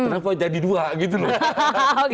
kenapa jadi dua gitu loh